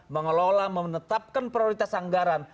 mengelola menetapkan prioritas anggaran